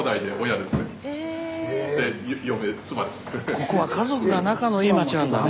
ここは家族が仲のいい町なんだね。